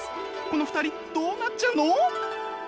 この２人どうなっちゃうの？